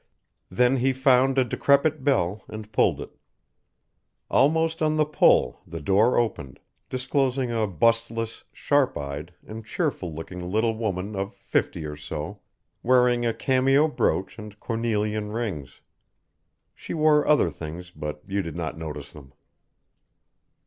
Then he found a decrepit bell and pulled it. Almost on the pull the door opened, disclosing a bustless, sharp eyed and cheerful looking little woman of fifty or so, wearing a cameo brooch and cornelian rings. She wore other things but you did not notice them.